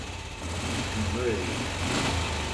Mon œil !